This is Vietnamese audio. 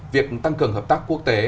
việc tăng cường hợp tác quốc tế